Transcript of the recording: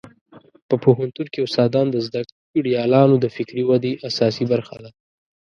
په پوهنتون کې استادان د زده کړیالانو د فکري ودې اساسي برخه ده.